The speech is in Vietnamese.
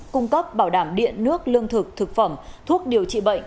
cung cấp bảo đảm điện nước lương thực thực phẩm thuốc điều trị bệnh